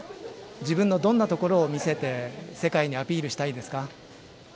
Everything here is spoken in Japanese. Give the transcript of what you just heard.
自分のどんなところを見せて世界にアピールしたいですか？